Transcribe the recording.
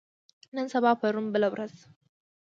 نن سبا پرون بله ورځ